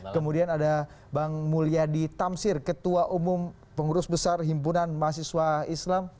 kemudian ada bang mulyadi tamsir ketua umum pengurus besar himpunan mahasiswa islam